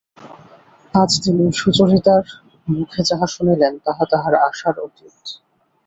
আজ তিনি সুচরিতার মুখে যাহা শুনিলেন তাহা তাঁহার আশার অতীত।